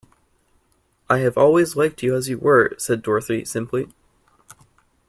"I have always liked you as you were," said Dorothy, simply.